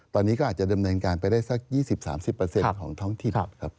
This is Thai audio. ตอนนี้ก็อาจจะดำเนินการไปได้สัก๒๐๓๐ของท้องถิ่นครับ